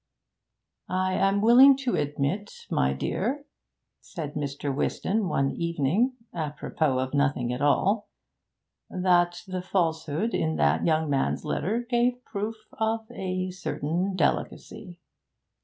'I am willing to admit, my dear,' said Mr. Whiston one evening, à propos of nothing at all, 'that the falsehood in that young man's letter gave proof of a certain delicacy.'